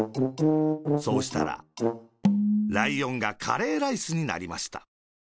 そうしたら、ライオンがカレーライスになりました。